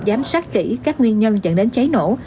giám sát kỹ các nguyên nhân dẫn đến cháy nổ